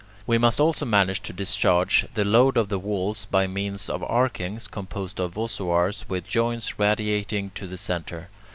We must also manage to discharge the load of the walls by means of archings composed of voussoirs with joints radiating to the centre.